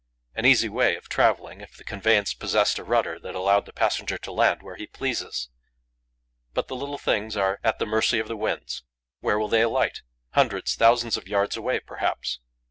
An easy way of travelling, if the conveyance possessed a rudder that allowed the passenger to land where he pleases! But the little things are at the mercy of the winds: where will they alight? Hundreds, thousands of yards away, perhaps.